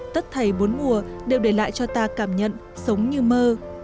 tất thầy bốn mùa đều để lại cho ta cảm nhận sống như mơ